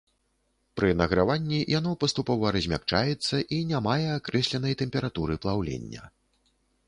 Пры награванні яно паступова размякчаецца і не мае акрэсленай тэмпературы плаўлення.